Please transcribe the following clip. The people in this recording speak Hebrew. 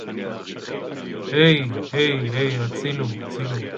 נקודה, פסיק, סימן קריאה ושאלה חשובים לטקסט קריא